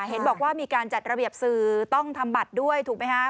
เห็นบอกว่ามีการจัดระเบียบสื่อต้องทำบัตรด้วยถูกไหมคะ